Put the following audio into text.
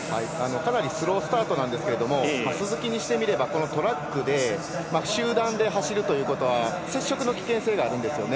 かなりスロースタートなんですけど鈴木にしてみればトラックで集団で走るということは接触の危険性があるんですよね。